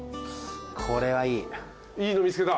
いいの見つけた？